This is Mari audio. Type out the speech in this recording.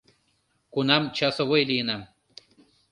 Кунам часовой лийынам